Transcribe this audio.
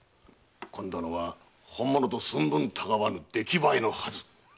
今度のは本物と寸分違わぬできばえのはず。